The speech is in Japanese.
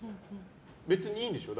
別にいいんでしょ？